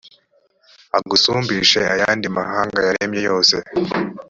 agusumbishe ayandi mahanga yaremye yose,